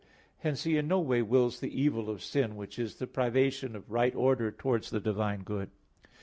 Hence He in no way wills the evil of sin, which is the privation of right order towards the divine good.